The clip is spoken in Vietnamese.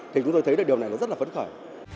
thì chúng tôi thấy được điều này nó rất là phấn khởi